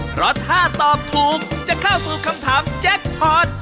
เพราะถ้าตอบถูกจะเข้าสู่คำถามแจ็คพอร์ต